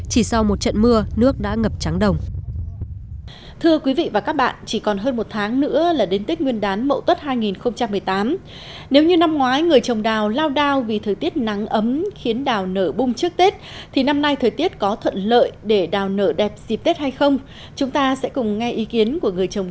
chỉ sau một trận mưa nước đã ngập trắng đồng